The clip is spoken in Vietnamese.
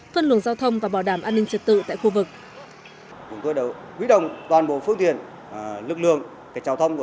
phân luồng giao thông và bảo đảm an toàn